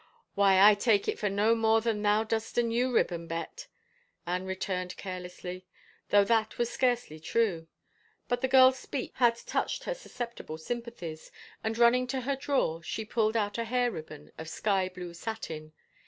" Why, I take it for no more than thou dost a new ribbon. Bet," Anne returned carelessly, though that was scarcely true. But the girl's speech had touched her ii6 4i it SECOND THOUGHTS susceptible sympathies, and running to her drawer, she pulled out a hair ribbon of sky blue satin.